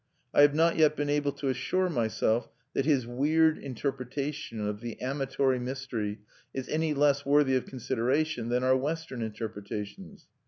I have not yet been able to assure myself that his weird interpretation of the amatory mystery is any less worthy of consideration than our Western interpretations.